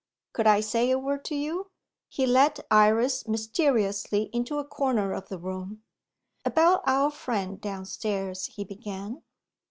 Could I say a word to you?" He led Iris mysteriously into a corner of the room. "About our friend downstairs?" he began.